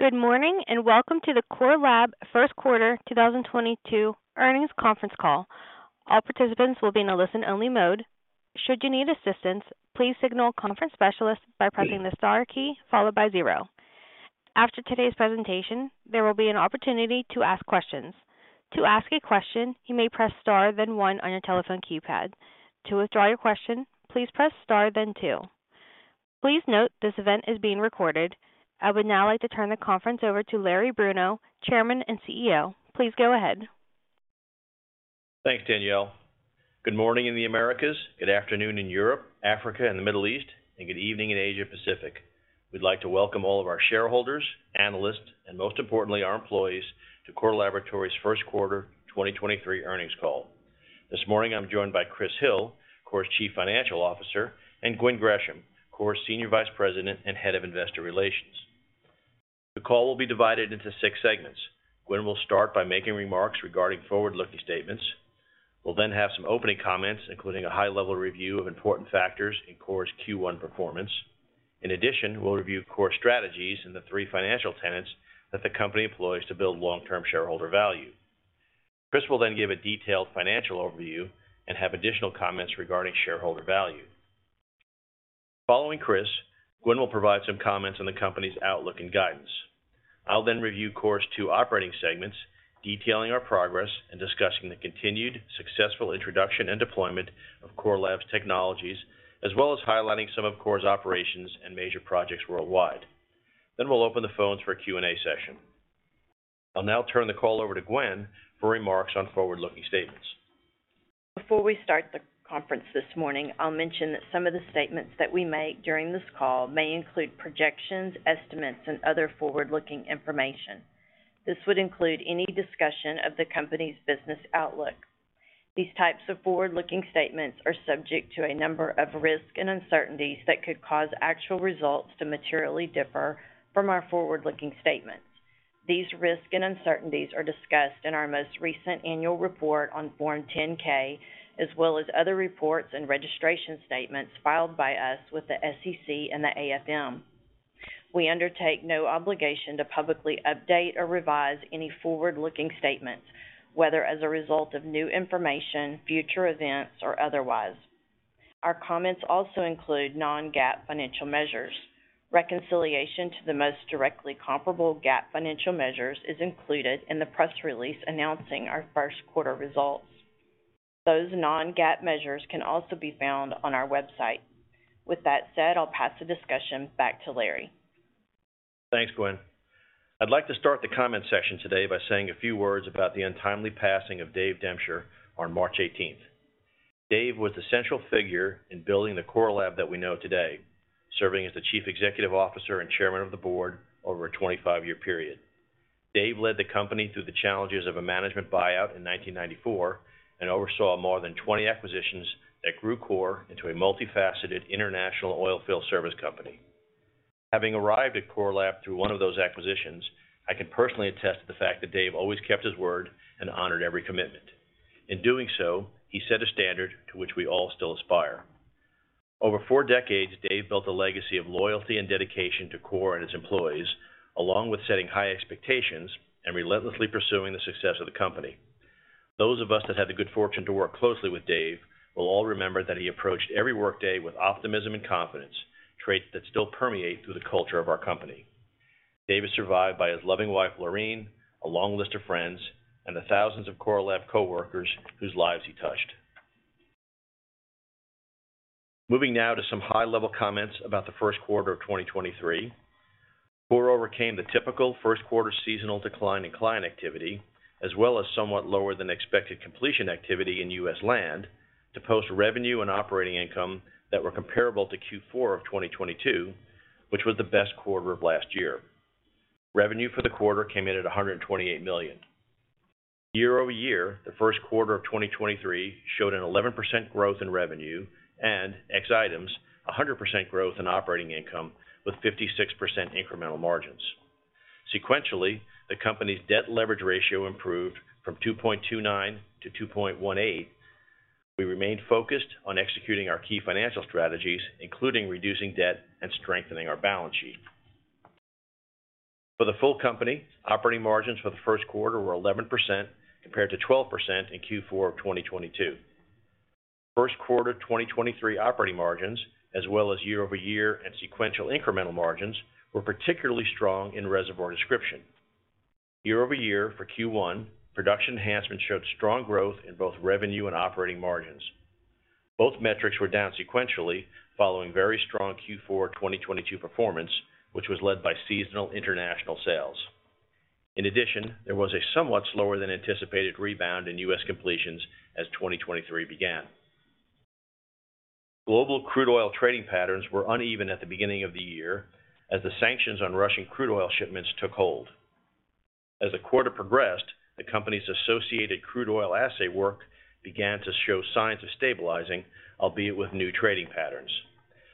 Good morning, welcome to the Core Lab first quarter 2022 earnings conference call. All participants will be in a listen only mode. Should you need assistance, please signal conference specialist by pressing the star key followed by zero. After today's presentation, there will be an opportunity to ask questions. To ask a question, you may press star then one on your telephone keypad. To withdraw your question, please press star then two. Please note this event is being recorded. I would now like to turn the conference over to Larry Bruno, Chairman and CEO. Please go ahead. Thanks, Danielle. Good morning in the Americas. Good afternoon in Europe, Africa and the Middle East. Good evening in Asia Pacific. We'd like to welcome all of our shareholders, analysts and most importantly, our employees to Core Laboratories first quarter 2023 earnings call. This morning, I'm joined by Chris Hill, Core's Chief Financial Officer, and Gwen Gresham, Core's Senior Vice President and Head of Investor Relations. The call will be divided into six segments. Gwen will start by making remarks regarding forward-looking statements. We'll have some opening comments, including a high-level review of important factors in Core's Q1 performance. In addition, we'll review Core strategies in the three financial tenants that the company employs to build long-term shareholder value. Chris will give a detailed financial overview and have additional comments regarding shareholder value. Following Chris, Gwen will provide some comments on the company's outlook and guidance. I'll then review Core's two operating segments, detailing our progress and discussing the continued successful introduction and deployment of Core Lab's technologies, as well as highlighting some of Core's operations and major projects worldwide. We'll open the phones for a Q&A session. I'll now turn the call over to Gwen for remarks on forward-looking statements. Before we start the conference this morning, I'll mention that some of the statements that we make during this call may include projections, estimates, and other forward-looking information. This would include any discussion of the company's business outlook. These types of forward-looking statements are subject to a number of risks and uncertainties that could cause actual results to materially differ from our forward-looking statements. These risks and uncertainties are discussed in our most recent annual report on Form 10-K, as well as other reports and registration statements filed by us with the SEC and the AFM. We undertake no obligation to publicly update or revise any forward-looking statements, whether as a result of new information, future events or otherwise. Our comments also include non-GAAP financial measures. Reconciliation to the most directly comparable GAAP financial measures is included in the press release announcing our first quarter results. Those non-GAAP measures can also be found on our website. With that said, I'll pass the discussion back to Larry. Thanks, Gwen. I'd like to start the comment section today by saying a few words about the untimely passing of Dave Demshur on March 18th. Dave was the central figure in building the Core Lab that we know today, serving as the Chief Executive Officer and Chairman of the Board over a 25-year period. Dave led the company through the challenges of a management buyout in 1994 and oversaw more than 20 acquisitions that grew Core into a multifaceted international oil field service company. Having arrived at Core Lab through one of those acquisitions, I can personally attest to the fact that Dave always kept his word and honored every commitment. In doing so, he set a standard to which we all still aspire. Over four decades, Dave built a legacy of loyalty and dedication to Core and its employees, along with setting high expectations and relentlessly pursuing the success of the company. Those of us that had the good fortune to work closely with Dave will all remember that he approached every workday with optimism and confidence, traits that still permeate through the culture of our company. Dave is survived by his loving wife, Laureen, a long list of friends, and the thousands of Core Lab coworkers whose lives he touched. Moving now to some high-level comments about the first quarter of 2023. Core overcame the typical first quarter seasonal decline in client activity, as well as somewhat lower than expected completion activity in U.S. land to post revenue and operating income that were comparable to Q4 of 2022, which was the best quarter of last year. Revenue for the quarter came in at $128 million. Year-over-year, the first quarter of 2023 showed an 11% growth in revenue and ex-items, a 100% growth in operating income with 56% incremental margins. Sequentially, the company's debt leverage ratio improved from 2.29x to 2.18x. We remained focused on executing our key financial strategies, including reducing debt and strengthening our balance sheet. For the full company, operating margins for the first quarter were 11% compared to 12% in Q4 of 2022. First quarter 2023 operating margins as well as year-over-year and sequential incremental margins were particularly strong in Reservoir Description. Year-over-year for Q1, Production Enhancement showed strong growth in both revenue and operating margins. Both metrics were down sequentially following very strong Q4 2022 performance, which was led by seasonal international sales. In addition, there was a somewhat slower than anticipated rebound in U.S. completions as 2023 began. Global crude oil trading patterns were uneven at the beginning of the year as the sanctions on Russian crude oil shipments took hold. As the quarter progressed, the company's associated crude oil assay work began to show signs of stabilizing, albeit with new trading patterns.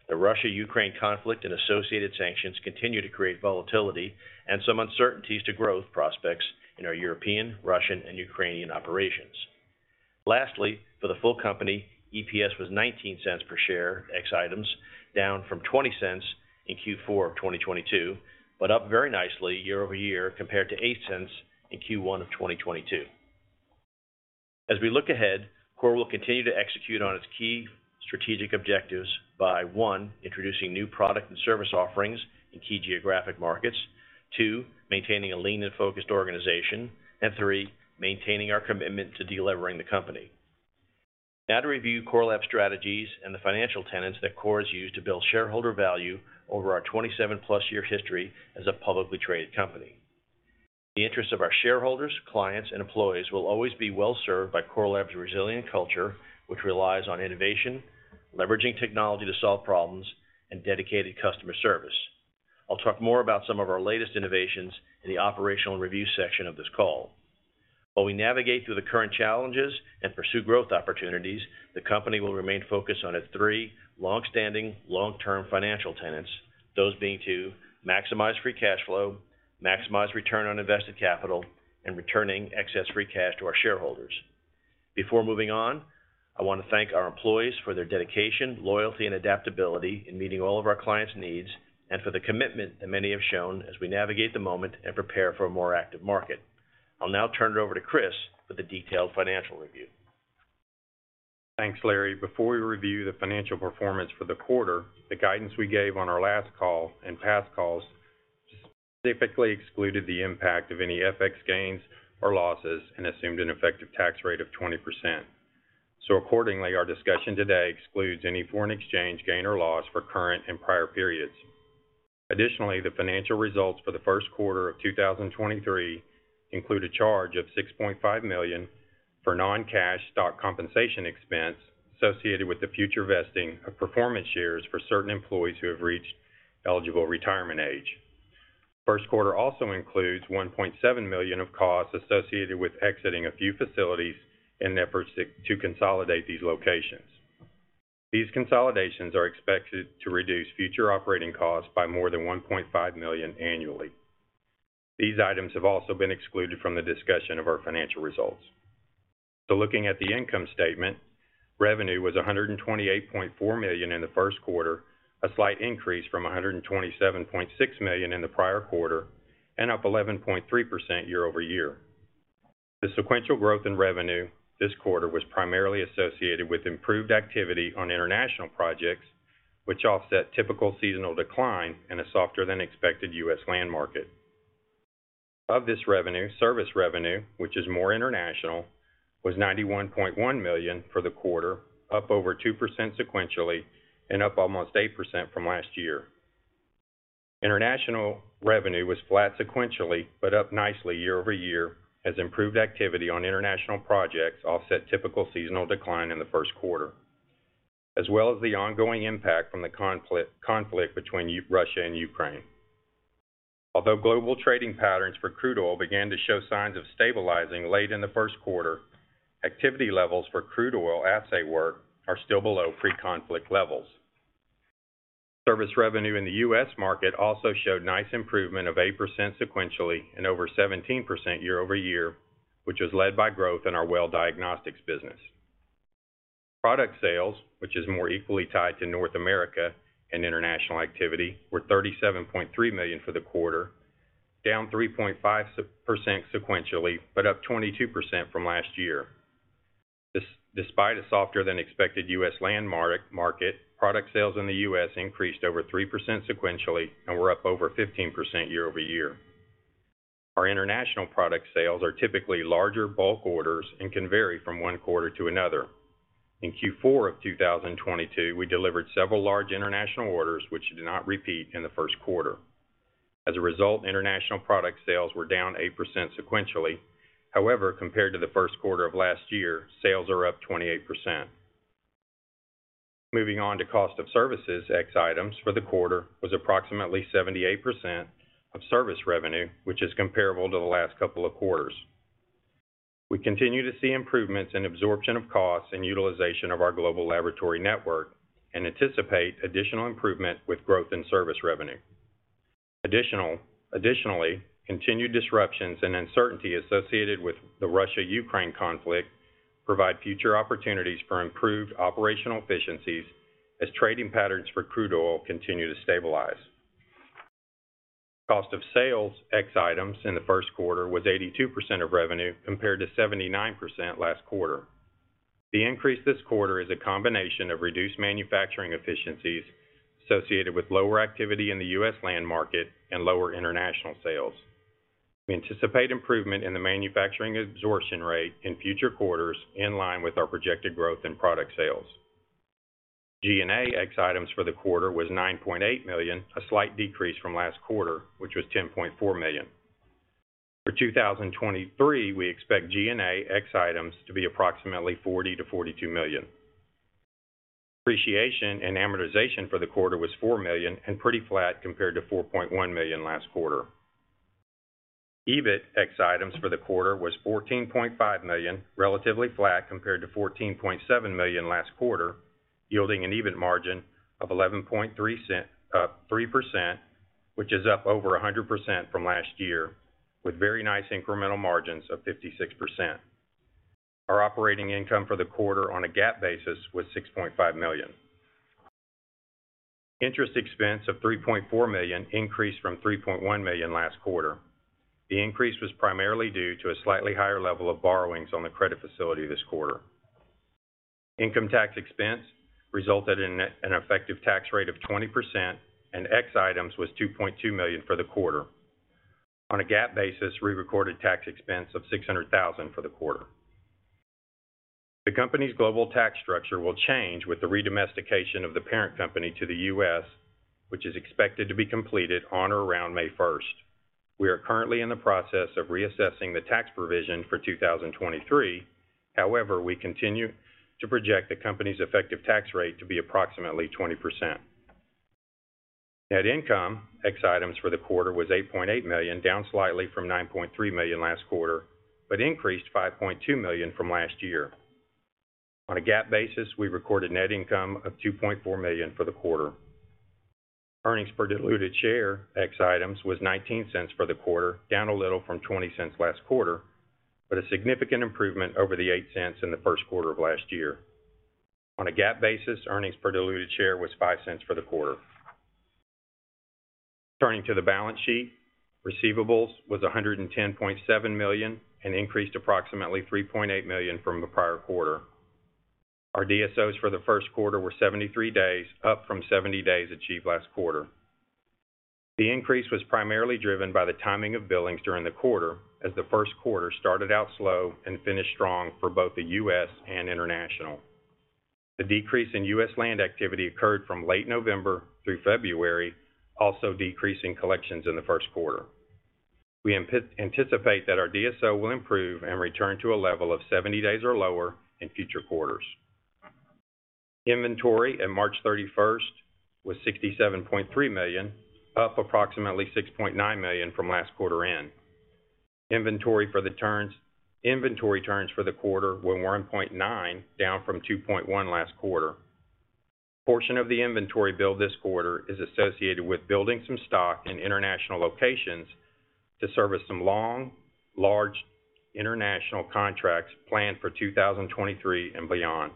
The Russia-Ukraine conflict and associated sanctions continue to create volatility and some uncertainties to growth prospects in our European, Russian and Ukrainian operations. Lastly, for the full company, EPS was $0.19 per share, ex-items, down from $0.20 in Q4 of 2022, but up very nicely year-over-year compared to $0.08 in Q1 of 2022. As we look ahead, Core Lab will continue to execute on its key strategic objectives by, one, introducing new product and service offerings in key geographic markets. Two, maintaining a lean and focused organization. Three, maintaining our commitment to delevering the company. To review Core Lab's strategies and the financial tenants that Core Lab has used to build shareholder value over our 27+ year history as a publicly traded company. The interests of our shareholders, clients, and employees will always be well served by Core Lab's resilient culture, which relies on innovation, leveraging technology to solve problems, and dedicated customer service. I'll talk more about some of our latest innovations in the operational review section of this call. While we navigate through the current challenges and pursue growth opportunities, the company will remain focused on its three long-standing, long-term financial tenants. Those being to maximize free cash flow, maximize return on invested capital, and returning excess free cash to our shareholders. Before moving on, I wanna thank our employees for their dedication, loyalty, and adaptability in meeting all of our clients' needs and for the commitment that many have shown as we navigate the moment and prepare for a more active market. I'll now turn it over to Chris for the detailed financial review. Thanks, Larry. Before we review the financial performance for the quarter, the guidance we gave on our last call and past calls specifically excluded the impact of any FX gains or losses and assumed an effective tax rate of 20%. Accordingly, our discussion today excludes any foreign exchange gain or loss for current and prior periods. Additionally, the financial results for the first quarter of 2023 include a charge of $6.5 million for non-cash stock compensation expense associated with the future vesting of performance shares for certain employees who have reached eligible retirement age. First quarter also includes $1.7 million of costs associated with exiting a few facilities in efforts to consolidate these locations. These consolidations are expected to reduce future operating costs by more than $1.5 million annually. These items have also been excluded from the discussion of our financial results. Looking at the income statement, revenue was $128.4 million in the first quarter, a slight increase from $127.6 million in the prior quarter, and up 11.3% year-over-year. The sequential growth in revenue this quarter was primarily associated with improved activity on international projects, which offset typical seasonal decline in a softer than expected U.S. land market. Of this revenue, service revenue, which is more international, was $91.1 million for the quarter, up over 2% sequentially, and up almost 8% from last year. International revenue was flat sequentially, but up nicely year-over-year as improved activity on international projects offset typical seasonal decline in the first quarter, as well as the ongoing impact from the conflict between Russia and Ukraine. Although global trading patterns for crude oil began to show signs of stabilizing late in the first quarter, activity levels for crude oil assay work are still below pre-conflict levels. Service revenue in the U.S. market also showed nice improvement of 8% sequentially and over 17% year-over-year, which was led by growth in our well diagnostics business. Product sales, which is more equally tied to North America and international activity, were $37.3 million for the quarter, down 3.5% sequentially, but up 22% from last year. Despite a softer than expected U.S. land market, product sales in the U.S. increased over 3% sequentially and were up over 15% year-over-year. Our international product sales are typically larger bulk orders and can vary from one quarter to another. In Q4 of 2022, we delivered several large international orders which did not repeat in the first quarter. As a result, international product sales were down 8% sequentially. However, compared to the first quarter of last year, sales are up 28%. Moving on to cost of services, ex-items for the quarter was approximately 78% of service revenue, which is comparable to the last couple of quarters. We continue to see improvements in absorption of costs and utilization of our global laboratory network and anticipate additional improvement with growth in service revenue. Additionally, continued disruptions and uncertainty associated with the Russia/Ukraine conflict provide future opportunities for improved operational efficiencies as trading patterns for crude oil continue to stabilize. Cost of sales, ex-items in the first quarter was 82% of revenue compared to 79% last quarter. The increase this quarter is a combination of reduced manufacturing efficiencies associated with lower activity in the U.S. land market and lower international sales. We anticipate improvement in the manufacturing absorption rate in future quarters in line with our projected growth in product sales. G&A ex-items for the quarter was $9.8 million, a slight decrease from last quarter, which was $10.4 million. For 2023, we expect G&A ex-items to be approximately $40 million-$42 million. Depreciation and amortization for the quarter was $4 million and pretty flat compared to $4.1 million last quarter. EBIT ex-items for the quarter was $14.5 million, relatively flat compared to $14.7 million last quarter, yielding an EBIT margin of 11.3%. Which is up over 100% from last year, with very nice incremental margins of 56%. Our operating income for the quarter on a GAAP basis was $6.5 million. Interest expense of $3.4 million increased from $3.1 million last quarter. The increase was primarily due to a slightly higher level of borrowings on the credit facility this quarter. Income tax expense resulted in an effective tax rate of 20%, and ex-items was $2.2 million for the quarter. On a GAAP basis, we recorded tax expense of $600,000 for the quarter. The company's global tax structure will change with the Redomestication of the parent company to the U.S., which is expected to be completed on or around May 1st. We are currently in the process of reassessing the tax provision for 2023. We continue to project the company's effective tax rate to be approximately 20%. Net income, ex-items for the quarter was $8.8 million, down slightly from $9.3 million last quarter, but increased $5.2 million from last year. On a GAAP basis, we recorded net income of $2.4 million for the quarter. Earnings per diluted share, ex-items, was $0.19 for the quarter, down a little from $0.20 last quarter, but a significant improvement over the $0.08 in the first quarter of last year. On a GAAP basis, earnings per diluted share was $0.05 for the quarter. Turning to the balance sheet, receivables was $110.7 million, and increased approximately $3.8 million from the prior quarter. Our DSOs for the first quarter were 73 days, up from 70 days achieved last quarter. The increase was primarily driven by the timing of billings during the quarter, as the first quarter started out slow and finished strong for both the U.S. and international. The decrease in U.S. land activity occurred from late November through February, also decreasing collections in the first quarter. We anticipate that our DSO will improve and return to a level of 70 days or lower in future quarters. Inventory at March 31st was $67.3 million, up approximately $6.9 million from last quarter end. Inventory turns for the quarter were 1.9x, down from 2.1x last quarter. A portion of the inventory build this quarter is associated with building some stock in international locations to service some long, large international contracts planned for 2023 and beyond.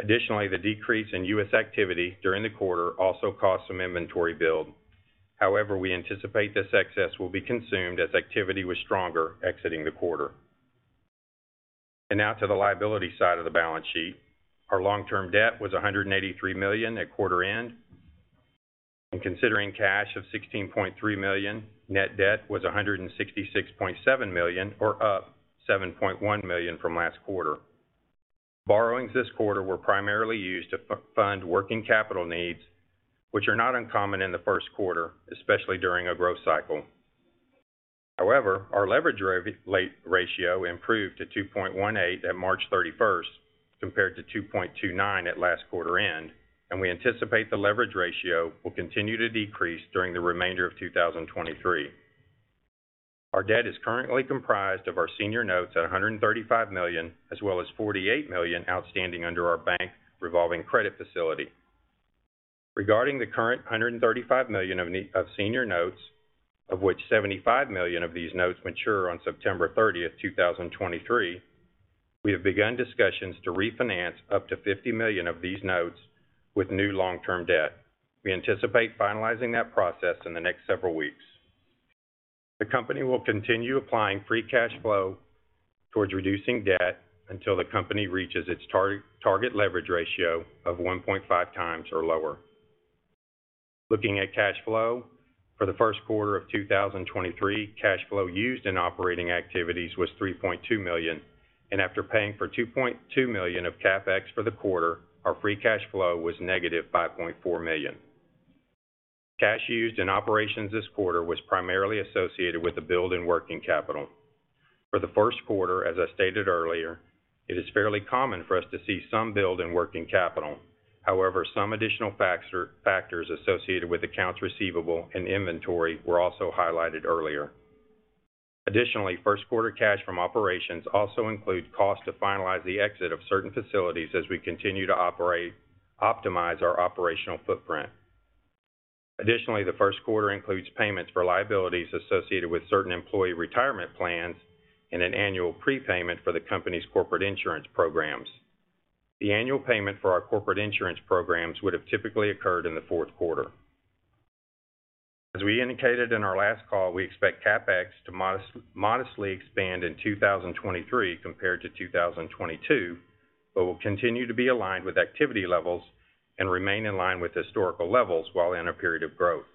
Additionally, the decrease in U.S. activity during the quarter also caused some inventory build. However, we anticipate this excess will be consumed as activity was stronger exiting the quarter. Now to the liability side of the balance sheet. Our long-term debt was $183 million at quarter end. Considering cash of $16.3 million, net debt was $166.7 million, or up $7.1 million from last quarter. Borrowings this quarter were primarily used to fund working capital needs, which are not uncommon in the first quarter, especially during a growth cycle. Our leverage ratio improved to 2.18x at March 31st, compared to 2.29x at last quarter end. We anticipate the leverage ratio will continue to decrease during the remainder of 2023. Our debt is currently comprised of our senior notes at $135 million, as well as $48 million outstanding under our bank revolving credit facility. Regarding the current $135 million of senior notes, of which $75 million of these notes mature on September 30th, 2023, we have begun discussions to refinance up to $50 million of these notes with new long-term debt. We anticipate finalizing that process in the next several weeks. The company will continue applying free cash flow towards reducing debt until the company reaches its target leverage ratio of 1.5x or lower. Looking at cash flow, for the first quarter of 2023, cash flow used in operating activities was $3.2 million. After paying for $2.2 million of CapEx for the quarter, our free cash flow was negative $5.4 million. Cash used in operations this quarter was primarily associated with the build in working capital. For the first quarter, as I stated earlier, it is fairly common for us to see some build in working capital. However, some additional factors associated with accounts receivable and inventory were also highlighted earlier. Additionally, first quarter cash from operations also include costs to finalize the exit of certain facilities as we continue to optimize our operational footprint. Additionally, the first quarter includes payments for liabilities associated with certain employee retirement plans and an annual prepayment for the company's corporate insurance programs. The annual payment for our corporate insurance programs would have typically occurred in the fourth quarter. As we indicated in our last call, we expect CapEx to modestly expand in 2023 compared to 2022, but will continue to be aligned with activity levels and remain in line with historical levels while in a period of growth.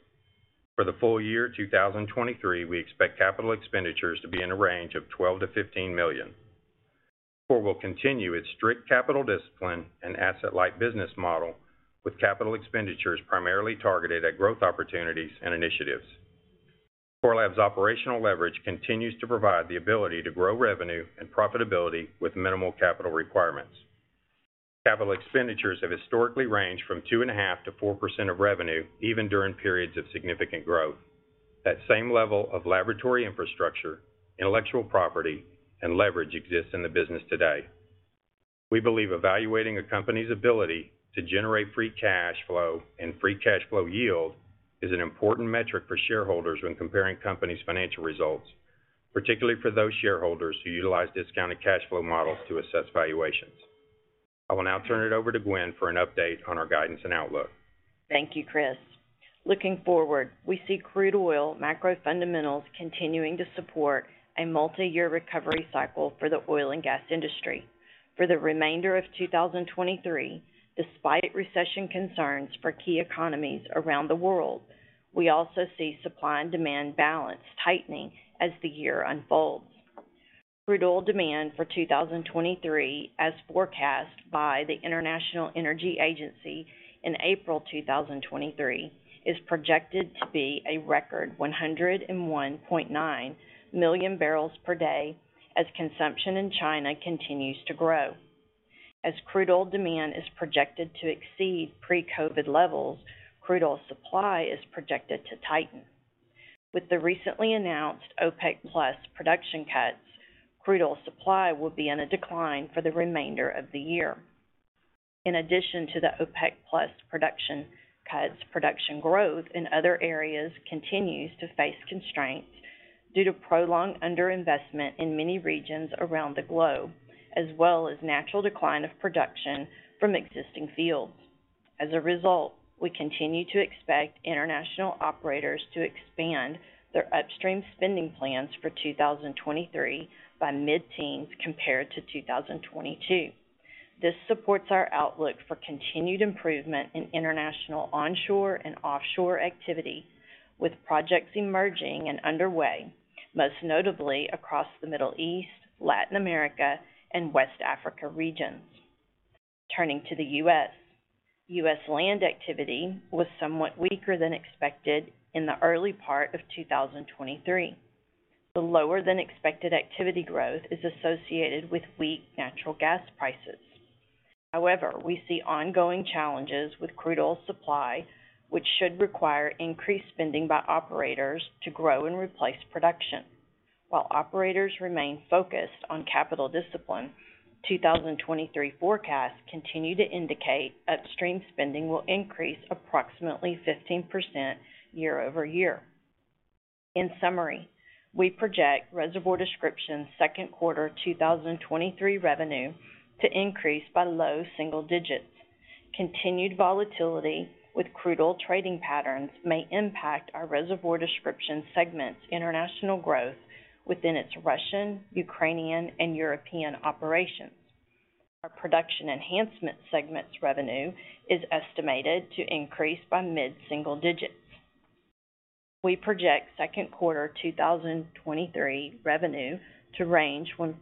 For the full year 2023, we expect capital expenditures to be in a range of $12 million-$15 million, for we'll continue its strict capital discipline and asset-light business model with capital expenditures primarily targeted at growth opportunities and initiatives. Core Lab's operational leverage continues to provide the ability to grow revenue and profitability with minimal capital requirements. Capital expenditures have historically ranged from 2.5%-4% of revenue, even during periods of significant growth. That same level of laboratory infrastructure, intellectual property, and leverage exists in the business today. We believe evaluating a company's ability to generate free cash flow and free cash flow yield is an important metric for shareholders when comparing companies' financial results, particularly for those shareholders who utilize discounted cash flow models to assess valuations. I will now turn it over to Gwen for an update on our guidance and outlook. Thank you, Chris. Looking forward, we see crude oil macro fundamentals continuing to support a multi-year recovery cycle for the oil and gas industry. For the remainder of 2023, despite recession concerns for key economies around the world, we also see supply and demand balance tightening as the year unfolds. Crude oil demand for 2023, as forecast by the International Energy Agency in April 2023, is projected to be a record 101.9 million barrels per day as consumption in China continues to grow. As crude oil demand is projected to exceed pre-COVID levels, crude oil supply is projected to tighten. With the recently announced OPEC+ production cuts, crude oil supply will be in a decline for the remainder of the year. In addition to the OPEC+ production cuts, production growth in other areas continues to face constraints due to prolonged under-investment in many regions around the globe, as well as natural decline of production from existing fields. As a result, we continue to expect international operators to expand their upstream spending plans for 2023 by mid-teens compared to 2022. This supports our outlook for continued improvement in international onshore and offshore activity, with projects emerging and underway, most notably across the Middle East, Latin America, and West Africa regions. Turning to the U.S., U.S. land activity was somewhat weaker than expected in the early part of 2023. The lower than expected activity growth is associated with weak natural gas prices. However, we see ongoing challenges with crude oil supply, which should require increased spending by operators to grow and replace production. While operators remain focused on capital discipline, 2023 forecasts continue to indicate upstream spending will increase approximately 15% year-over-year. In summary, we project Reservoir Description's second quarter 2023 revenue to increase by low single digits. Continued volatility with crude oil trading patterns may impact our Reservoir Description segment's international growth within its Russian, Ukrainian, and European operations. Our Production Enhancement segment's revenue is estimated to increase by mid-single digits. We project second quarter 2023 revenue to range from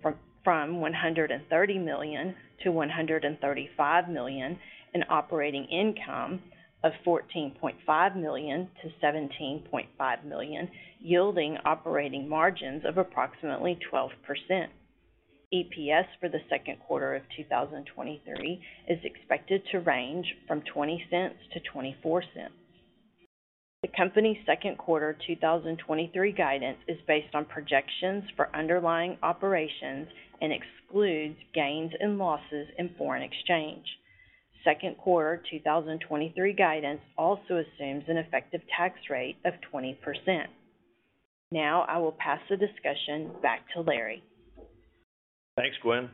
$130 million-$135 million, and operating income of $14.5 million-$17.5 million, yielding operating margins of approximately 12%. EPS for the second quarter of 2023 is expected to range from $0.20-$0.24. The company's second quarter 2023 guidance is based on projections for underlying operations and excludes gains and losses in foreign exchange. Second quarter 2023 guidance also assumes an effective tax rate of 20%. Now, I will pass the discussion back to Larry. Thanks, Gwen.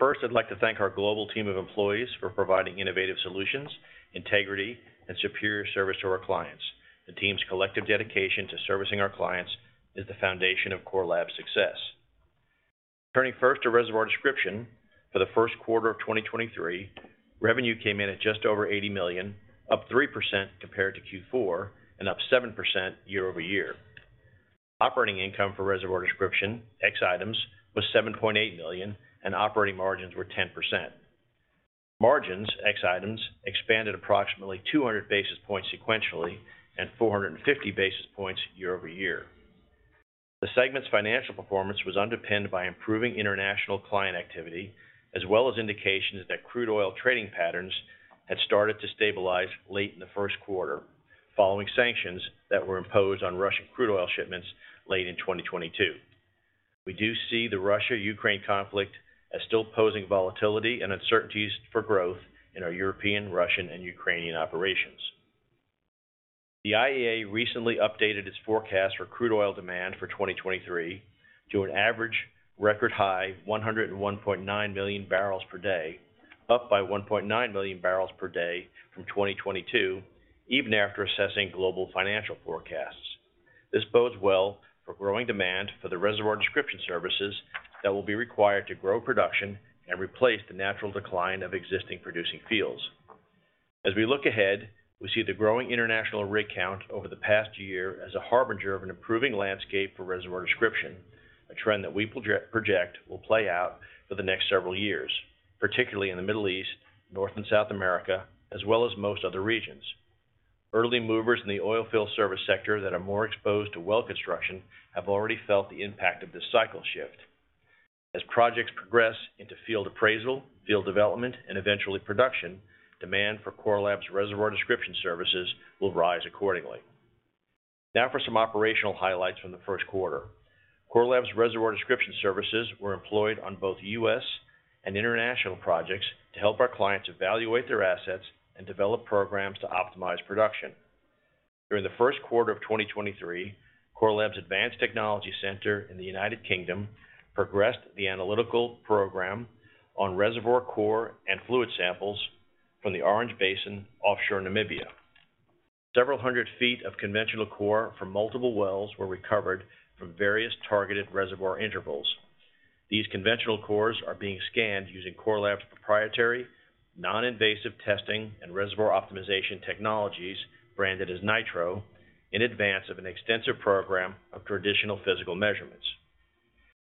First, I'd like to thank our global team of employees for providing innovative solutions, integrity, and superior service to our clients. The team's collective dedication to servicing our clients is the foundation of Core Lab's success. Turning first to Reservoir Description, for the first quarter of 2023, revenue came in at just over $80 million, up 3% compared to Q4, and up 7% year-over-year. Operating income for Reservoir Description, ex-items, was $7.8 million, and operating margins were 10%. Margins, ex-items, expanded approximately 200 basis points sequentially, and 450 basis points year-over-year. The segment's financial performance was underpinned by improving international client activity, as well as indications that crude oil trading patterns had started to stabilize late in the first quarter, following sanctions that were imposed on Russian crude oil shipments late in 2022. We do see the Russia-Ukraine conflict as still posing volatility and uncertainties for growth in our European, Russian, and Ukrainian operations. The IEA recently updated its forecast for crude oil demand for 2023 to an average record high 101.9 million barrels per day, up by 1.9 million barrels per day from 2022, even after assessing global financial forecasts. This bodes well for growing demand for the Reservoir Description services that will be required to grow production and replace the natural decline of existing producing fields. As we look ahead, we see the growing international rig count over the past year as a harbinger of an improving landscape for Reservoir Description, a trend that we project will play out for the next several years, particularly in the Middle East, North and South America, as well as most other regions. Early movers in the oil field service sector that are more exposed to well construction have already felt the impact of this cycle shift. Projects progress into field appraisal, field development, and eventually production, demand for Core Lab's Reservoir Description services will rise accordingly. For some operational highlights from the first quarter. Core Lab's Reservoir Description services were employed on both U.S. and international projects to help our clients evaluate their assets and develop programs to optimize production. During the first quarter of 2023, Core Lab's Advanced Technology Center in the United Kingdom progressed the analytical program on reservoir core and fluid samples from the Orange Basin offshore Namibia. Several hundred feet of conventional core from multiple wells were recovered from various targeted reservoir intervals. These conventional cores are being scanned using Core Lab's proprietary Non-Invasive Testing and Reservoir Optimization technologies, branded as NITRO, in advance of an extensive program of traditional physical measurements.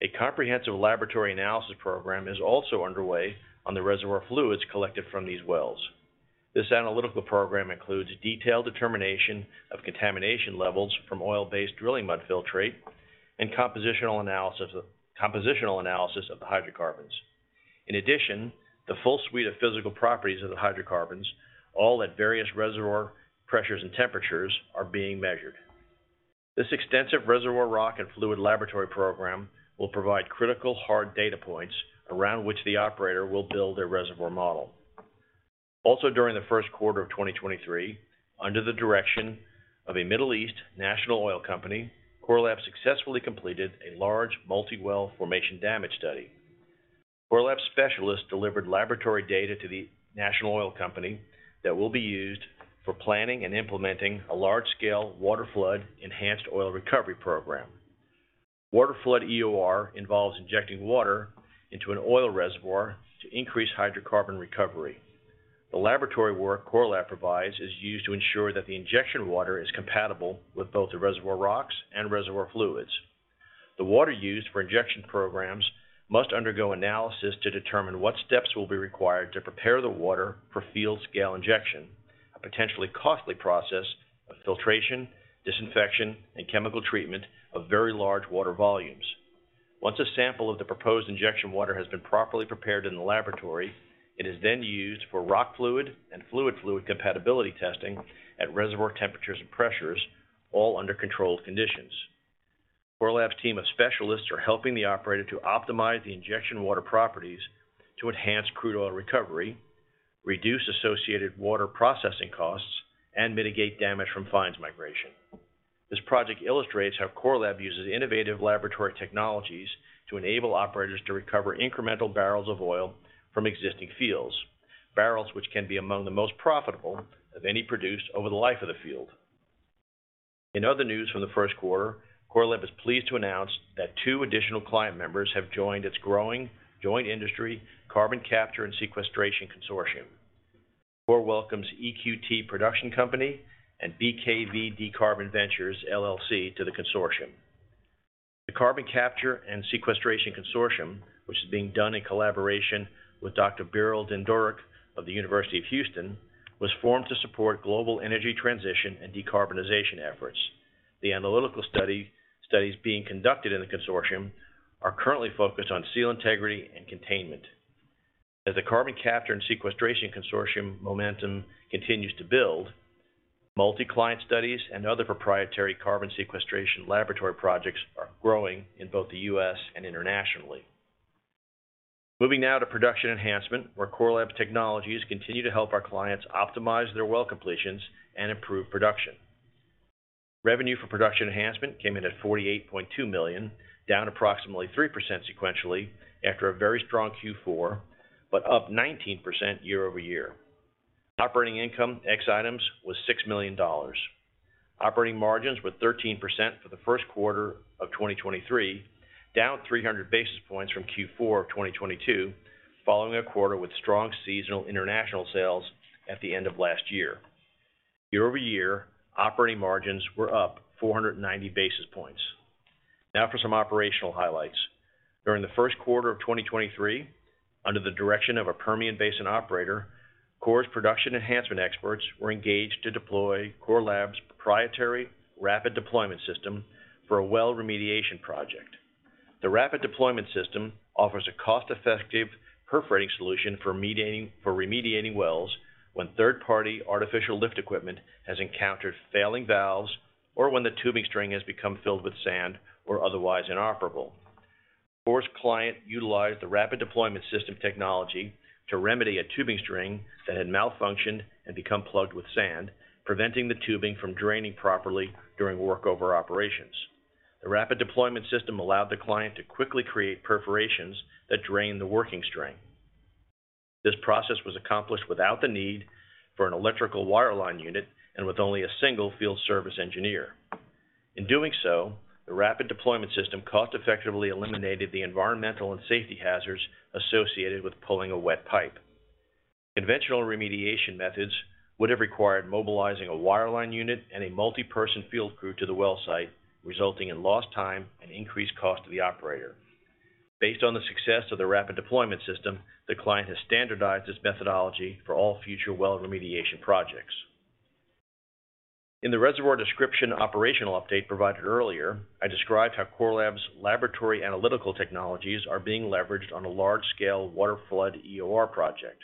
A comprehensive laboratory analysis program is also underway on the reservoir fluids collected from these wells. This analytical program includes detailed determination of contamination levels from oil-based drilling mud filtrate and compositional analysis of the hydrocarbons. In addition, the full suite of physical properties of the hydrocarbons, all at various reservoir pressures and temperatures, are being measured. This extensive reservoir rock and fluid laboratory program will provide critical hard data points around which the operator will build their reservoir model. Also during the first quarter of 2023, under the direction of a Middle East national oil company, Core Lab successfully completed a large multi-well formation damage study. Core Lab specialists delivered laboratory data to the national oil company that will be used for planning and implementing a large-scale waterflood enhanced oil recovery program. Waterflood EOR involves injecting water into an oil reservoir to increase hydrocarbon recovery. The laboratory work Core Lab provides is used to ensure that the injection water is compatible with both the reservoir rocks and reservoir fluids. The water used for injection programs must undergo analysis to determine what steps will be required to prepare the water for field scale injection, a potentially costly process of filtration, disinfection, and chemical treatment of very large water volumes. Once a sample of the proposed injection water has been properly prepared in the laboratory, it is then used for rock-fluid and fluid-fluid compatibility testing at reservoir temperatures and pressures, all under controlled conditions. Core Lab's team of specialists are helping the operator to optimize the injection water properties to enhance crude oil recovery, reduce associated water processing costs, and mitigate damage from fines migration. This project illustrates how Core Lab uses innovative laboratory technologies to enable operators to recover incremental barrels of oil from existing fields, barrels which can be among the most profitable of any produced over the life of the field. In other news from the first quarter, Core Lab is pleased to announce that two additional client members have joined its growing joint industry Carbon Capture and Sequestration Consortium. Core welcomes EQT Production Company and BKV dCarbon Ventures, LLC to the consortium. The Carbon Capture and Sequestration Consortium, which is being done in collaboration with Dr. Birol Dindoruk of the University of Houston, was formed to support global energy transition and decarbonization efforts. The analytical studies being conducted in the consortium are currently focused on seal integrity and containment. As the Carbon Capture and Sequestration Consortium momentum continues to build, multi-client studies and other proprietary carbon sequestration laboratory projects are growing in both the U.S. and internationally. Moving now to Production Enhancement, where Core Lab technologies continue to help our clients optimize their well completions and improve production. Revenue for Production Enhancement came in at $48.2 million, down approximately 3% sequentially after a very strong Q4, but up 19% year-over-year. Operating income ex-items was $6 million. Operating margins were 13% for the first quarter of 2023, down 300 basis points from Q4 of 2022, following a quarter with strong seasonal international sales at the end of last year. Year-over-year, operating margins were up 490 basis points. Now for some operational highlights. During the first quarter of 2023, under the direction of a Permian Basin operator, Core Lab's Production Enhancement experts were engaged to deploy Core Lab's proprietary Rapid Deployment System for a well remediation project. The Rapid Deployment System offers a cost-effective perforating solution for remediating wells when third-party artificial lift equipment has encountered failing valves or when the tubing string has become filled with sand or otherwise inoperable. Core's client utilized the Rapid Deployment System technology to remedy a tubing string that had malfunctioned and become plugged with sand, preventing the tubing from draining properly during workover operations. The Rapid Deployment System allowed the client to quickly create perforations that drain the working string. This process was accomplished without the need for an electrical wireline unit and with only a single field service engineer. In doing so, the Rapid Deployment System cost-effectively eliminated the environmental and safety hazards associated with pulling a wet pipe. Conventional remediation methods would have required mobilizing a wireline unit and a multi-person field crew to the well site, resulting in lost time and increased cost to the operator. Based on the success of the Rapid Deployment System, the client has standardized this methodology for all future well remediation projects. In the Reservoir Description operational update provided earlier, I described how Core Lab's laboratory analytical technologies are being leveraged on a large-scale waterflood EOR project.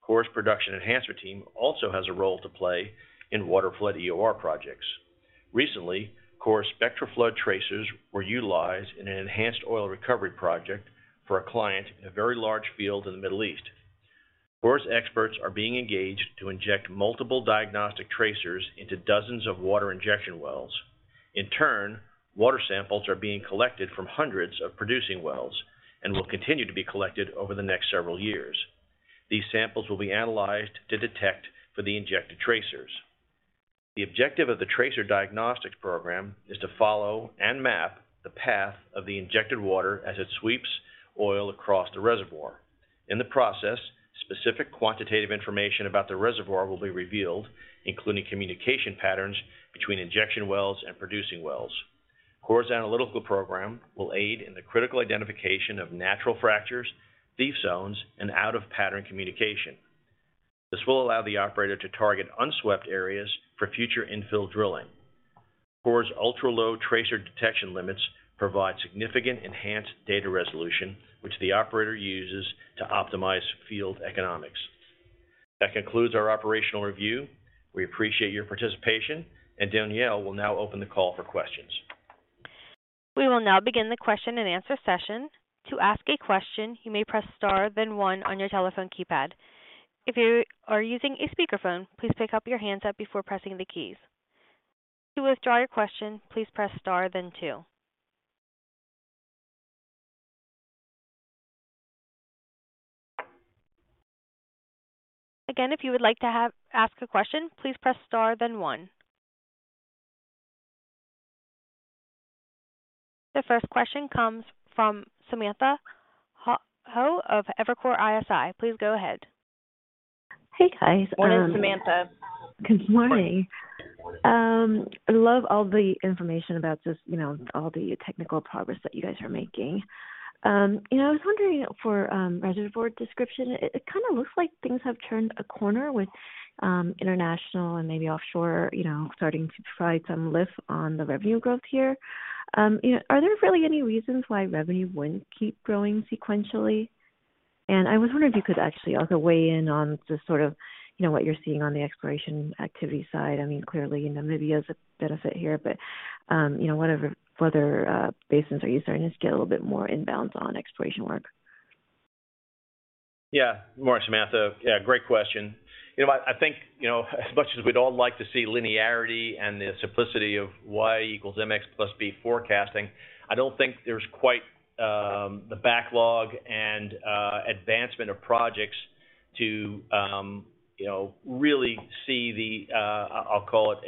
Core's Production Enhancement team also has a role to play in waterflood EOR projects. Recently, Core's SPECTRAFLOOD tracers were utilized in an enhanced oil recovery project for a client in a very large field in the Middle East. Core's experts are being engaged to inject multiple diagnostic tracers into dozens of water injection wells. In turn, water samples are being collected from hundreds of producing wells and will continue to be collected over the next several years. These samples will be analyzed to detect for the injected tracers. The objective of the tracer diagnostics program is to follow and map the path of the injected water as it sweeps oil across the reservoir. In the process, specific quantitative information about the reservoir will be revealed, including communication patterns between injection wells and producing wells. Core Lab's analytical program will aid in the critical identification of natural fractures, thief zones, and out-of-pattern communication. This will allow the operator to target unswept areas for future infill drilling. Core Lab's ultra-low tracer detection limits provide significant enhanced data resolution, which the operator uses to optimize field economics. That concludes our operational review. We appreciate your participation, and Danielle will now open the call for questions. We will now begin the question-and-answer session. To ask a question, you may press star then one on your telephone keypad. If you are using a speakerphone, please pick up your handset before pressing the keys. To withdraw your question, please press star then two. Again, if you would like to ask a question, please press star then one. The first question comes from Samantha Hoh of Evercore ISI. Please go ahead. Hey, guys. Morning, Samantha. Good morning. Morning. Love all the information about just, you know, all the technical progress that you guys are making. You know, I was wondering for Reservoir Description, it kinda looks like things have turned a corner with international and maybe offshore, you know, starting to provide some lift on the revenue growth here. You know, are there really any reasons why revenue wouldn't keep growing sequentially? I was wondering if you could actually also weigh in on just sort of, you know, what you're seeing on the exploration activity side. I mean, clearly, you know, maybe as a benefit here, but, you know, what other further basins are you starting to get a little bit more inbounds on exploration work? Yeah. Morning, Samantha. Yeah, great question. You know what? I think, you know, as much as we'd all like to see linearity and the simplicity of Y equals MX plus B forecasting, I don't think there's quite the backlog and advancement of projects to, you know, really see the I'll call it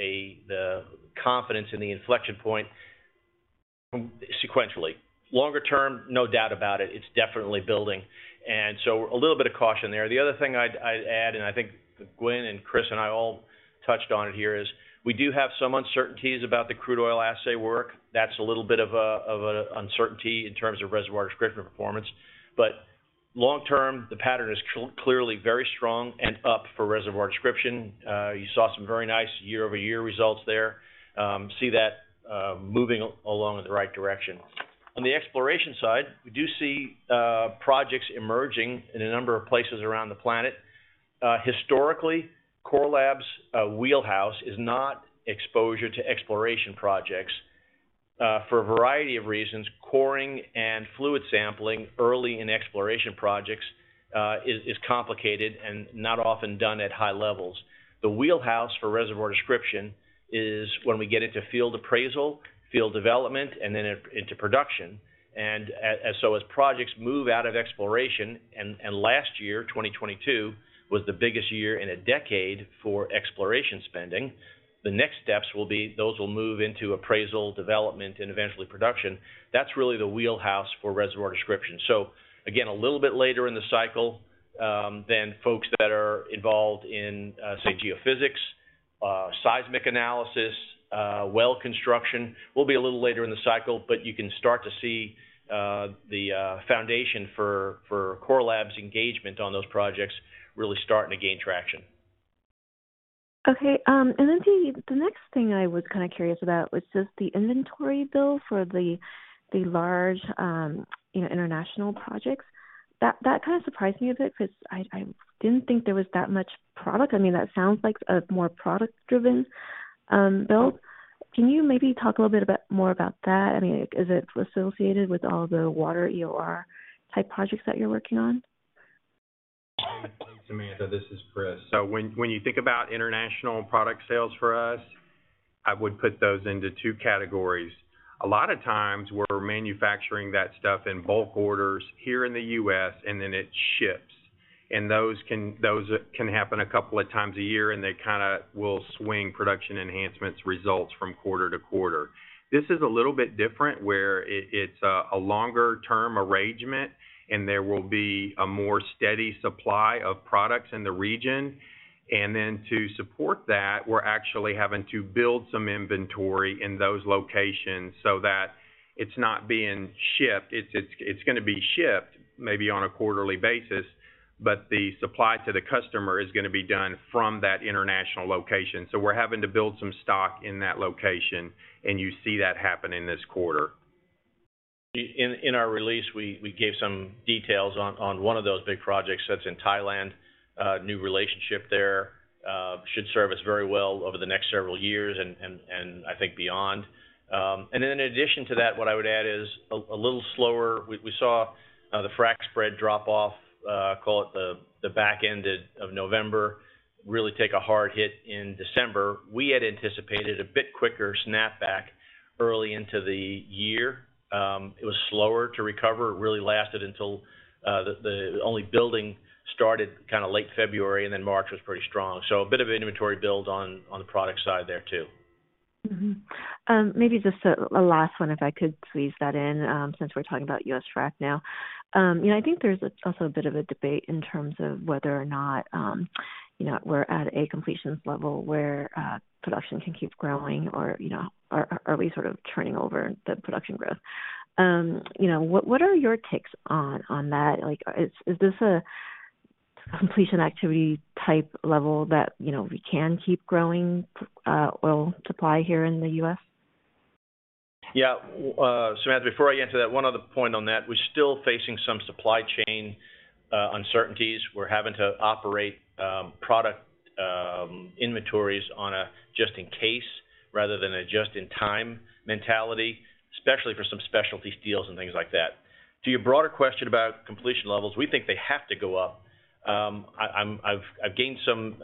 the confidence in the inflection point sequentially. Longer term, no doubt about it's definitely building. A little bit of caution there. The other thing I'd add, and I think Gwen and Chris and I all touched on it here, is we do have some uncertainties about the crude oil assay work. That's a little bit of a uncertainty in terms of Reservoir Description performance. Long term, the pattern is clearly very strong and up for Reservoir Description. You saw some very nice year-over-year results there. See that moving along in the right direction. On the exploration side, we do see projects emerging in a number of places around the planet. Historically, Core Lab's wheelhouse is not exposure to exploration projects. For a variety of reasons, coring and fluid sampling early in exploration projects is complicated and not often done at high levels. The wheelhouse for Reservoir Description is when we get into field appraisal, field development, and then into production. As projects move out of exploration, and last year, 2022, was the biggest year in a decade for exploration spending. The next steps will be those will move into appraisal, development, and eventually production. That's really the wheelhouse for Reservoir Description. So, again, a little bit later in the cycle, than folks that are involved in, say geophysics, seismic analysis, well construction. We'll be a little later in the cycle, but you can start to see, the foundation for Core Lab's engagement on those projects really starting to gain traction. Okay. Then the next thing I was kinda curious about was just the inventory bill for the large, you know, international projects. That kinda surprised me a bit 'cause I didn't think there was that much product. I mean, that sounds like a more product-driven build. Can you maybe talk a little bit more about that? I mean, is it associated with all the water EOR-type projects that you're working on? Thanks, Samantha. This is Chris. When you think about international product sales for us, I would put those into two categories. A lot of times we're manufacturing that stuff in bulk orders here in the U.S., and then it ships. Those can happen a couple of times a year, and they kinda will swing Production Enhancement results from quarter to quarter. This is a little bit different, where it's a longer term arrangement, and there will be a more steady supply of products in the region. To support that, we're actually having to build some inventory in those locations so that it's not being shipped. It's gonna be shipped maybe on a quarterly basis, but the supply to the customer is gonna be done from that international location. We're having to build some stock in that location, and you see that happen in this quarter. In our release, we gave some details on one of those big projects that's in Thailand. New relationship there, should serve us very well over the next several years and I think beyond. In addition to that, what I would add is a little slower. We saw the frac spread drop off, call it the back end of November, really take a hard hit in December. We had anticipated a bit quicker snapback early into the year. It was slower to recover. It really lasted until the only building started kinda late February, and then March was pretty strong. A bit of an inventory build on the product side there too. Maybe just a last one if I could squeeze that in, since we're talking about U.S. frac now. You know, I think there's a, also a bit of a debate in terms of whether or not, you know, we're at a completions level where production can keep growing or, you know, are we sort of turning over the production growth. You know, what are your takes on that? Like is this a completion activity type level that, you know, we can keep growing oil supply here in the U.S.? Yeah. Samantha, before I get to that, one other point on that, we're still facing some supply chain uncertainties. We're having to operate inventories on a just-in-case rather than a just-in-time mentality, especially for some specialty steels and things like that. To your broader question about completion levels, we think they have to go up. I've gained some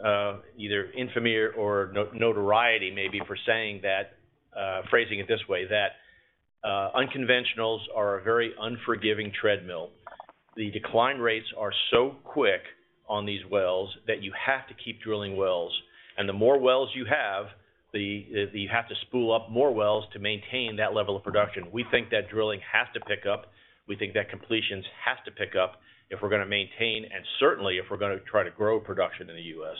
either infamy or notoriety maybe for saying that phrasing it this way, that unconventionals are a very unforgiving treadmill. The decline rates are so quick on these wells that you have to keep drilling wells. The more wells you have, you have to spool up more wells to maintain that level of production. We think that drilling has to pick up. We think that completions have to pick up if we're gonna maintain, and certainly if we're gonna try to grow production in the U.S.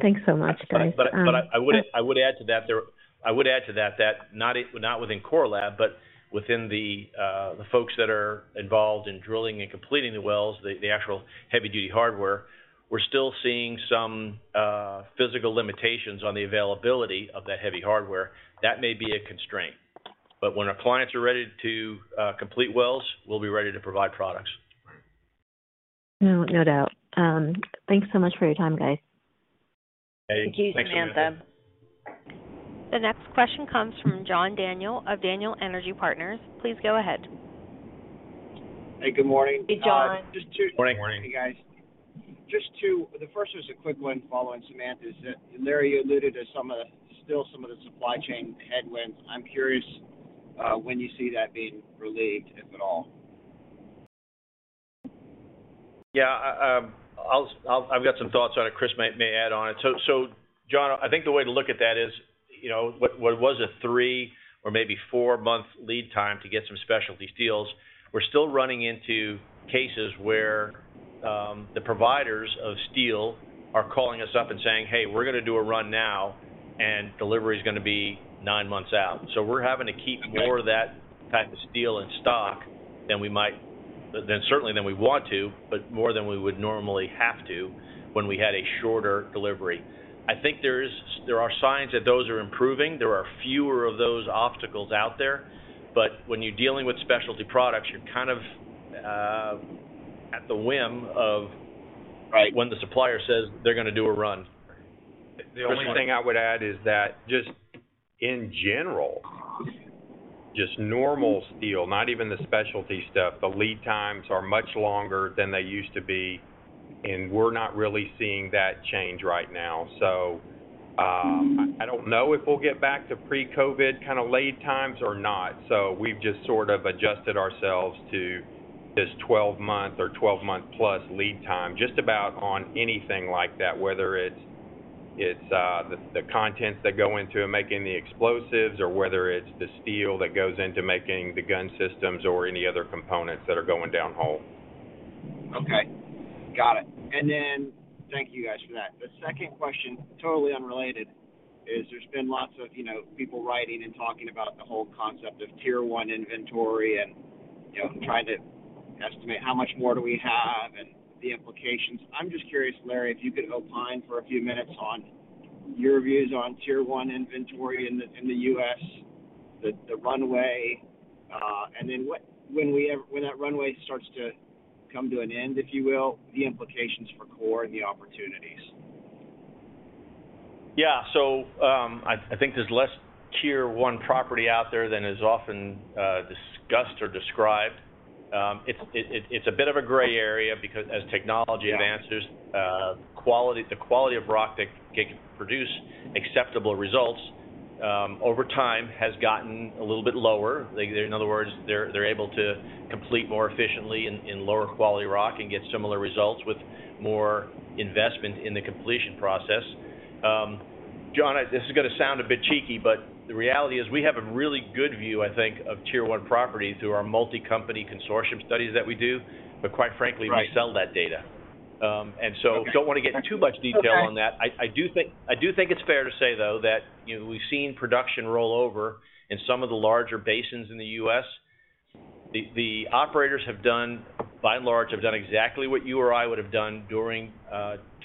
Thanks so much, guys. I would add to that not in, not within Core Lab, but within the folks that are involved in drilling and completing the wells, the actual heavy-duty hardware, we're still seeing some physical limitations on the availability of that heavy hardware. That may be a constraint. When our clients are ready to complete wells, we'll be ready to provide products. No doubt. Thanks so much for your time, guys. Hey, thanks for the questions. Thank you, Samantha. The next question comes from John Daniel of Daniel Energy Partners. Please go ahead. Hey, good morning. Hey, John. Morning. Hey, guys. Just two. The first was a quick one following Samantha's. Larry, you alluded to still some of the supply chain headwinds. I'm curious when you see that being relieved, if at all. Yeah. I've got some thoughts on it. Chris may add on it. John, I think the way to look at that is, you know, what was a three or maybe four-month lead time to get some specialty steels, we're still running into cases where the providers of steel are calling us up and saying, "Hey, we're gonna do a run now, and delivery is gonna be nine months out." We're having to keep more of that type of steel in stock than certainly than we want to, but more than we would normally have to when we had a shorter delivery. I think there are signs that those are improving. There are fewer of those obstacles out there. When you're dealing with specialty products, you're kind of at the whim of when the supplier says they're gonna do a run. The only thing I would add is that just in general, just normal steel, not even the specialty stuff, the lead times are much longer than they used to be, and we're not really seeing that change right now. I don't know if we'll get back to pre-COVID kind of lead times or not. We've just sort of adjusted ourselves to this 12-month or 12-month-plus lead time just about on anything like that, whether it's, the contents that go into making the explosives or whether it's the steel that goes into making the gun systems or any other components that are going down hole. Okay. Got it. Thank you guys for that. The second question, totally unrelated, is there's been lots of, you know, people writing and talking about the whole concept of Tier 1 inventory and, you know, trying to estimate how much more do we have and the implications. I'm just curious, Larry, if you could opine for a few minutes on your views on Tier 1 inventory in the, in the U.S., the runway. When that runway starts to come to an end, if you will, the implications for Core and the opportunities. Yeah. I think there's less Tier 1 property out there than is often discussed or described. It's a bit of a gray area because as technology advances, the quality of rock that can produce acceptable results, over time has gotten a little bit lower. Like, in other words, they're able to complete more efficiently in lower quality rock and get similar results with more investment in the completion process. John, this is gonna sound a bit cheeky, but the reality is we have a really good view, I think, of Tier 1 property through our multi-company consortium studies that we do. Quite frankly we sell that data. Okay. Got it. I don't wanna get into too much detail on that. Okay. I do think it's fair to say, though, that, you know, we've seen production roll over in some of the larger basins in the U.S. The operators have done, by and large, have done exactly what you or I would have done during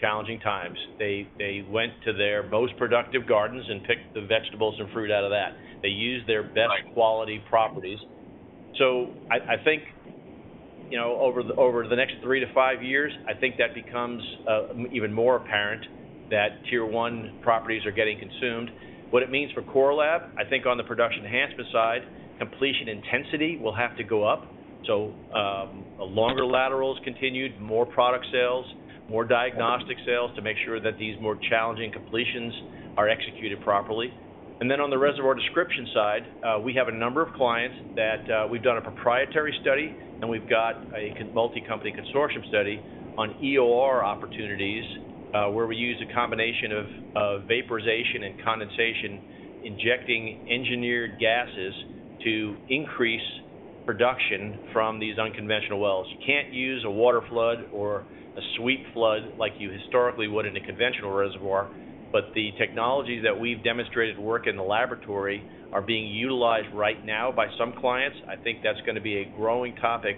challenging times. They went to their most productive gardens and picked the vegetables and fruit out of that. Right They use their best quality properties. I think, you know, over the next three to five years, I think that becomes even more apparent that Tier 1 properties are getting consumed. What it means for Core Lab, I think on the Production Enhancement side, completion intensity will have to go up. Longer laterals continued, more product sales, more diagnostic sales to make sure that these more challenging completions are executed properly. On the Reservoir Description side, we have a number of clients that we've done a proprietary study and we've got a multi-company consortium study on EOR opportunities, where we use a combination of vaporization and condensation, injecting engineered gases to increase production from these unconventional wells. You can't use a waterflood or a sweep flood like you historically would in a conventional reservoir. The technologies that we've demonstrated work in the laboratory are being utilized right now by some clients. I think that's gonna be a growing topic,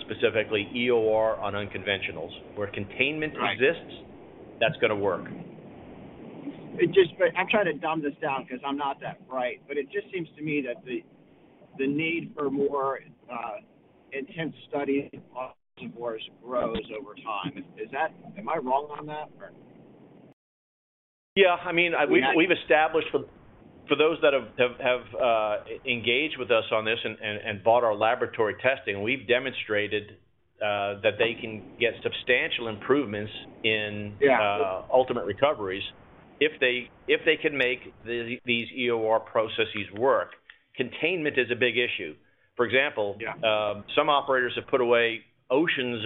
specifically EOR on unconventionals. Where containment exists that's gonna work. I'm trying to dumb this down 'cause I'm not that bright, but it just seems to me that the need for more intense study reservoirs grows over time. Is that? Am I wrong on that or? Yeah. I mean, we've established for those that have engaged with us on this and bought our laboratory testing, we've demonstrated that they can get substantial improvements in ultimate recoveries if they, if they can make these EOR processes work. Containment is a big issue. For example, some operators have put away oceans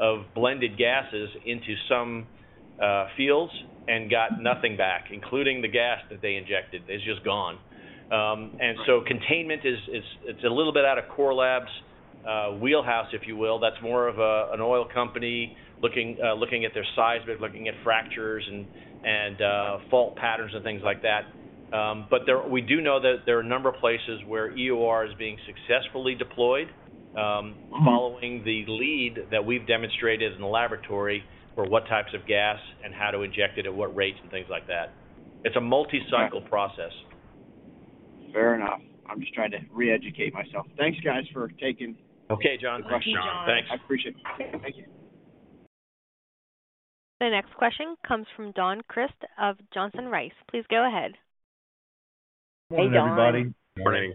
of blended gases into some fields and got nothing back, including the gas that they injected. It's just gone. Right So, containment it's a little bit out of Core Lab's wheelhouse, if you will. That's more of an oil company looking at their seismic, looking at fractures and fault patterns and things like that. We do know that there are a number of places where EOR is being successfully deployed, following the lead that we've demonstrated in the laboratory for what types of gas and how to inject it, at what rates, and things like that. It's a multi-cycle process. Fair enough. I'm just trying to re-educate myself. Thanks, guys, for taking my questions. Okay, John. Thank you, John. Thanks. I appreciate it. Thank you. The next question comes from Don Crist of Johnson Rice. Please go ahead. Morning, everybody. Hey, Don. Morning.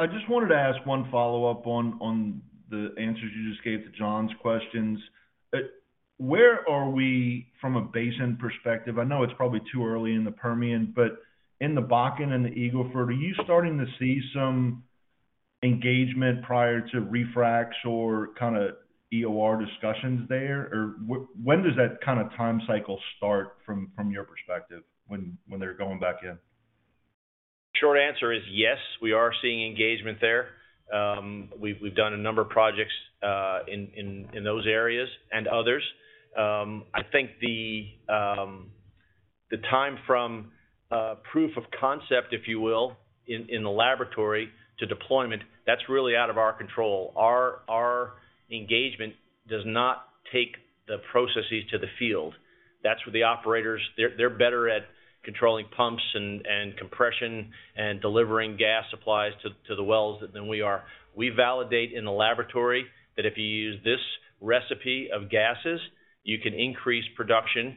I just wanted to ask one follow-up on the answers you just gave to John's questions. Where are we from a basin perspective? I know it's probably too early in the Permian, but in the Bakken and the Eagle Ford, are you starting to see some engagement prior to re-fracs or kinda EOR discussions there? When does that kinda time cycle start from your perspective when they're going back in? Short answer is yes, we are seeing engagement there. We've done a number of projects in those areas and others. I think the time from proof of concept, if you will, in the laboratory to deployment, that's really out of our control. Our engagement does not take the processes to the field. That's for the operators. They're better at controlling pumps and compression and delivering gas supplies to the wells than we are. We validate in the laboratory that if you use this recipe of gases, you can increase production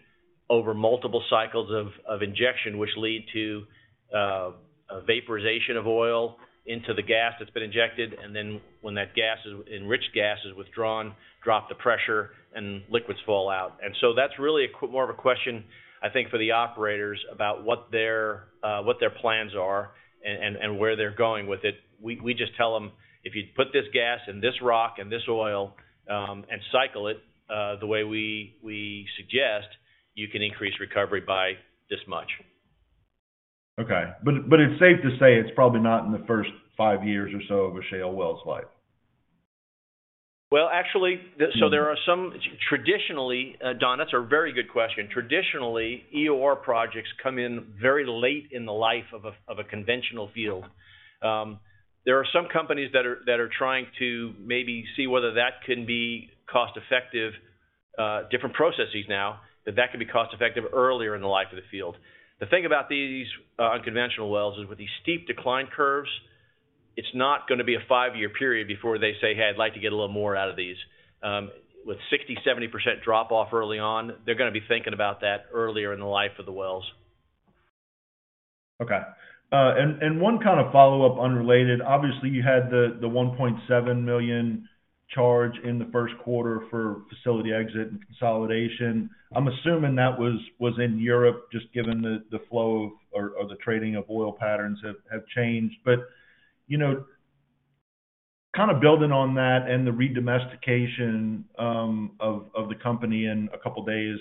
over multiple cycles of injection, which lead to a vaporization of oil into the gas that's been injected. When that enriched gas is withdrawn, drop the pressure and liquids fall out. That's really more of a question, I think, for the operators about what their, what their plans are and where they're going with it. We just tell them, "If you put this gas in this rock and this oil, and cycle it, the way we suggest, you can increase recovery by this much. Okay. It's safe to say it's probably not in the first five years or so of a shale well's life? Well, actually, there are some... Traditionally, Don, that's a very good question. Traditionally, EOR projects come in very late in the life of a conventional field. There are some companies that are trying to maybe see whether that can be cost-effective, different processes now, that could be cost-effective earlier in the life of the field. The thing about these unconventional wells is with these steep decline curves, it's not gonna be a five-year period before they say, "Hey, I'd like to get a little more out of these." With 60%-70% drop-off early on, they're gonna be thinking about that earlier in the life of the wells. Okay. One kinda follow-up, unrelated. Obviously, you had the $1.7 million charge in the first quarter for facility exit and consolidation. I'm assuming that was in Europe, just given the flow of or the trading of oil patterns have changed. You know, kinda building on that and the Redomestication of the company in a couple days,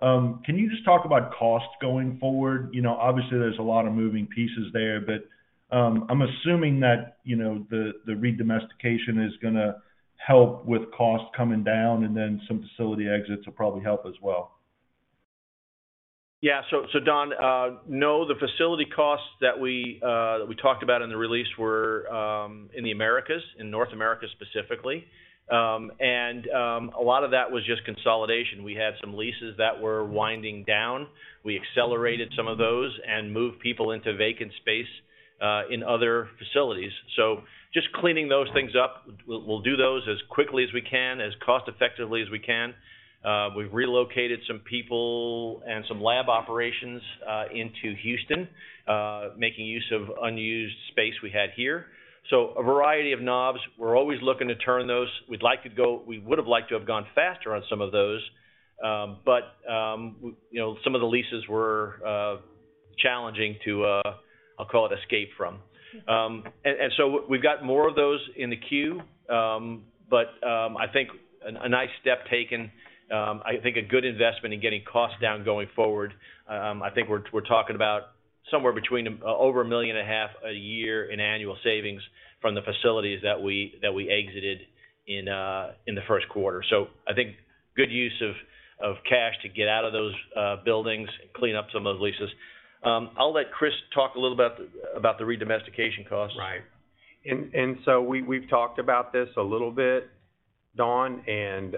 can you just talk about cost going forward? You know, obviously there's a lot of moving pieces there, but, I'm assuming that, you know, the Redomestication is gonna help with cost coming down, and then some facility exits will probably help as well. Yeah. Don, no, the facility costs that we that we talked about in the release were in the Americas, in North America specifically. A lot of that was just consolidation. We had some leases that were winding down. We accelerated some of those and moved people into vacant space in other facilities. Just cleaning those things up. We'll do those as quickly as we can, as cost effectively as we can. We've relocated some people and some lab operations into Houston, making use of unused space we had here. A variety of knobs. We're always looking to turn those. We would've liked to have gone faster on some of those, but, you know, some of the leases were challenging to I'll call it escape from. We've got more of those in the queue. I think a nice step taken. I think a good investment in getting costs down going forward. I think we're talking about somewhere between over $1.5 million a year in annual savings from the facilities that we exited in the first quarter. I think good use of cash to get out of those buildings and clean up some of the leases. I'll let Chris talk a little about the Redomestication costs. Right. we've talked about this a little bit, Don, and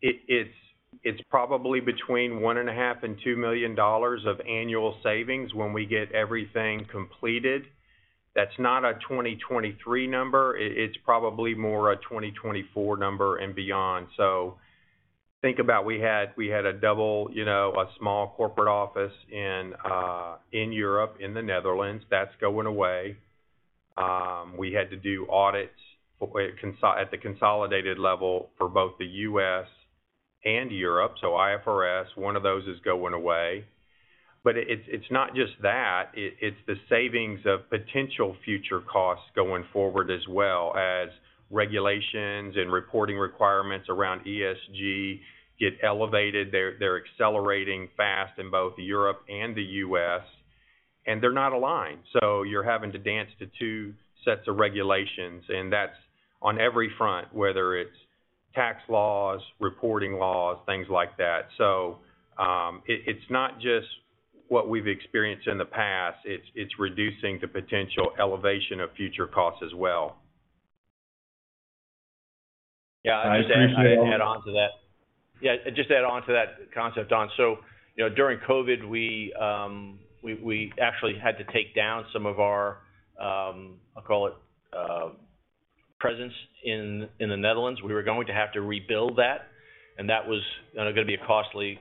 it's probably between $1.5 million and $2 million of annual savings when we get everything completed. That's not a 2023 number. It's probably more a 2024 number and beyond. Think about, we had a double, you know, a small corporate office in Europe, in the Netherlands. That's going away. We had to do audits at the consolidated level for both the U.S. and Europe. IFRS, one of those is going away. It's not just that. It's the savings of potential future costs going forward as well as regulations and reporting requirements around ESG get elevated. They're accelerating fast in both Europe and the U.S., and they're not aligned. You're having to dance to two sets of regulations, and that's on every front, whether it's tax laws, reporting laws, things like that. It's not just what we've experienced in the past, it's reducing the potential elevation of future costs as well. Yeah. I appreciate all. I'd add onto that. Yeah, just add onto that concept, Don. You know, during COVID, we actually had to take down some of our, I'll call it presence in the Netherlands. We were going to have to rebuild that, and that was gonna be a costly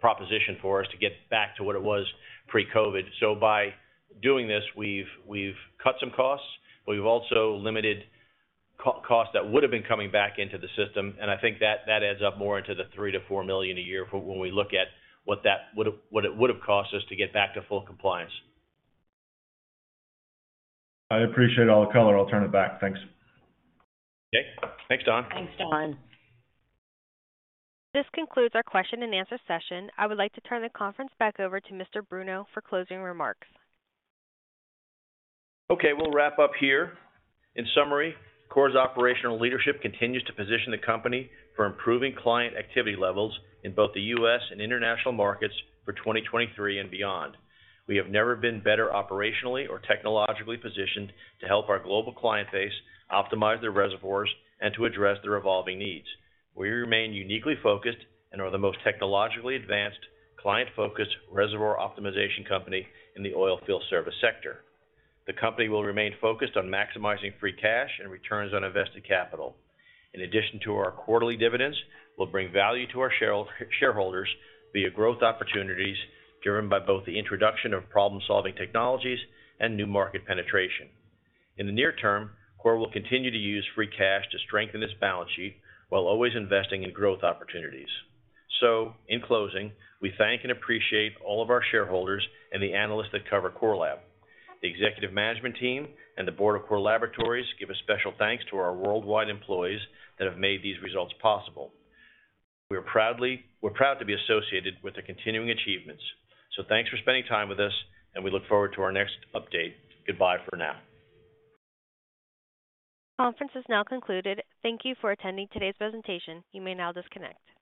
proposition for us to get back to what it was pre-COVID. By doing this, we've cut some costs. We've also limited co-costs that would've been coming back into the system. I think that adds up more into the $3 million-$4 million a year for when we look at what it would've cost us to get back to full compliance. I appreciate all the color. I'll turn it back. Thanks. Okay. Thanks, Don. Thanks, Don. This concludes our question-and-answer session. I would like to turn the conference back over to Mr. Bruno for closing remarks. Okay, we'll wrap up here. In summary, Core's operational leadership continues to position the company for improving client activity levels in both the U.S. and international markets for 2023 and beyond. We have never been better operationally or technologically positioned to help our global client base optimize their reservoirs and to address their evolving needs. We remain uniquely focused and are the most technologically advanced, client-focused reservoir optimization company in the oilfield service sector. The company will remain focused on maximizing free cash and returns on invested capital. In addition to our quarterly dividends, we'll bring value to our shareholders via growth opportunities driven by both the introduction of problem-solving technologies and new market penetration. In the near term, Core will continue to use free cash to strengthen its balance sheet while always investing in growth opportunities. In closing, we thank and appreciate all of our shareholders and the analysts that cover Core Lab. The Executive Management Team and the Board of Directors of Core Laboratories give a special thanks to our worldwide employees that have made these results possible. We're proud to be associated with their continuing achievements. Thanks for spending time with us, and we look forward to our next update. Goodbye for now. Conference is now concluded. Thank you for attending today's presentation. You may now disconnect.